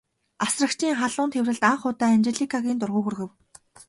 Асрагчийн халуун тэврэлт анх удаа Анжеликагийн дургүйг хүргэв.